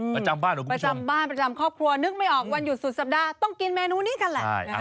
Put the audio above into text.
ประจำบ้านประจำบ้านประจำครอบครัวนึกไม่ออกวันหยุดสุดสัปดาห์ต้องกินเมนูนี้กันแหละ